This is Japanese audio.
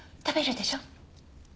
食べるでしょう？